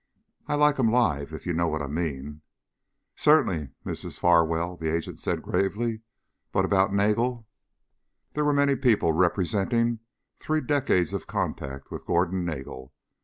"I like 'em live, if you know what I mean." "Certainly, Mrs. Farwell," the agent said gravely. "But about Nagel...?" There were many people representing three decades of contact with Gordon Nagel.